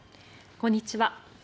こんにちは。